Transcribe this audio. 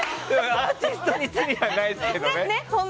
アーティストに罪はないですけどね。